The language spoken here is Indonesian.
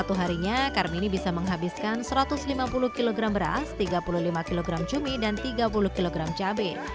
satu harinya karmini bisa menghabiskan satu ratus lima puluh kg beras tiga puluh lima kg cumi dan tiga puluh kg cabai